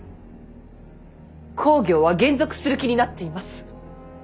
公暁は還俗する気になっています。